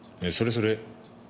それそれ。